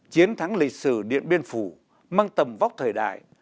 chiến thắng lịch sử điện biên phủ mang tầm vóc thời đại